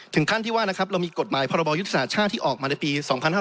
ถึงขั้นที่ว่านะครับเรามีกฎหมายพรบยุทธศาสตร์ชาติที่ออกมาในปี๒๕๕๙